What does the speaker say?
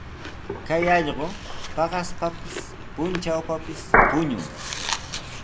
Kay allqu paqaspapis, puntrawpis puñun.